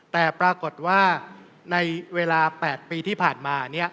แต่ปรากฏว่าในเวลา๘ปีที่ผ่านมา